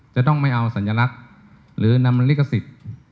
จะต้องไม่เอาสัญลักษณ์หรือนำลิขสิทธิ์